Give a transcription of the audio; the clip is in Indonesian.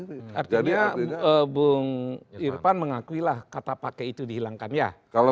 artinya bung irfan mengakui lah kata pake itu dihilangkan ya